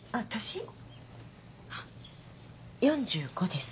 ４５です。